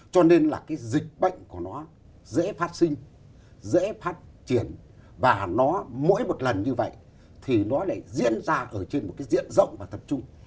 cho nên là cái dịch bệnh của nó dễ phát sinh dễ phát triển và nó mỗi một lần như vậy thì nó lại diễn ra ở trên một cái diện rộng và tập trung